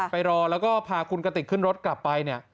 รอแล้วก็พาคุณกติกขึ้นรถกลับไปเนี่ย